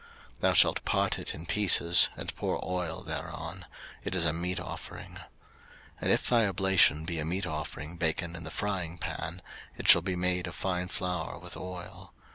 03:002:006 Thou shalt part it in pieces, and pour oil thereon: it is a meat offering. 03:002:007 And if thy oblation be a meat offering baken in the fryingpan, it shall be made of fine flour with oil.